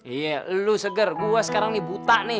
iya lu seger gue sekarang nih buta nih